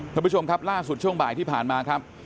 ท่านผู้ชมครับล่าสุดช่วงบ่ายที่ผ่านมาครับ